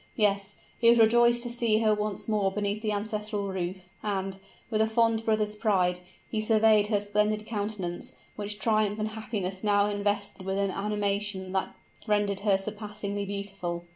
Yes, he was rejoiced to see her once more beneath the ancestral roof; and, with a fond brother's pride, he surveyed her splendid countenance, which triumph and happiness now invested with an animation that rendered her surpassingly beautiful!